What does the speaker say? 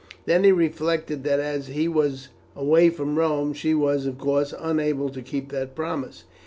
Then he reflected that as he was away from Rome, she was, of course, unable to keep that promise.